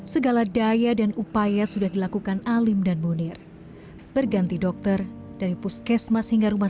segala daya dan upaya sudah dilakukan alim dan munir berganti dokter dari puskesmas hingga rumah